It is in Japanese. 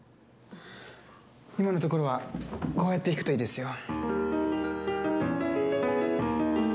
今のところはこうやって弾くといいですよ。